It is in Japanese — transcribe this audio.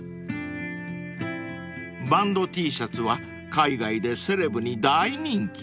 ［バンドＴシャツは海外でセレブに大人気］